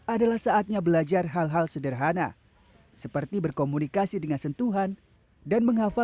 adalah saatnya belajar hal hal sederhana seperti berkomunikasi dengan sentuhan dan menghafal